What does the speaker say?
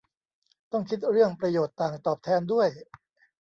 ต้องคิดเรื่องประโยชน์ต่างตอบแทนด้วย